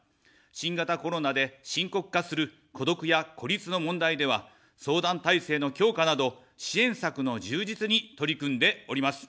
新型コロナで深刻化する孤独や孤立の問題では、相談体制の強化など、支援策の充実に取り組んでおります。